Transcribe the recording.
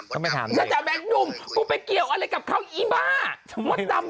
ก็ไม่ทราบนะต้องถามมดดำ